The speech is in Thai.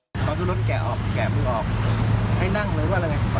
มีเขาหรือว่ายังไงวางยาหรือยังไง